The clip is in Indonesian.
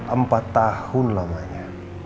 empat tahun lamanya